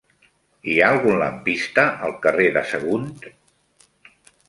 Hi ha algun lampista al carrer de Sagunt?